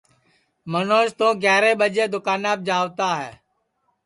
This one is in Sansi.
منوج تو گیاریں ٻجے دؔوکاناپ جاوتا ہے